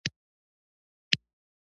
ده نور هر څه شاته پرېښودل.